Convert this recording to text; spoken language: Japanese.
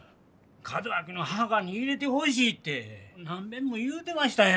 門脇の墓に入れてほしいて何べんも言うてましたんや。